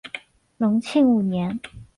隆庆五年。